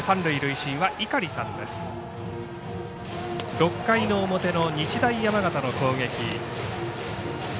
６回の表の日大山形の攻撃。